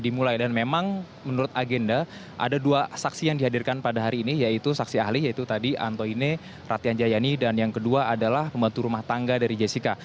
dimulai dan memang menurut agenda ada dua saksi yang dihadirkan pada hari ini yaitu saksi ahli yaitu tadi antoine ratian jayani dan yang kedua adalah pembantu rumah tangga dari jessica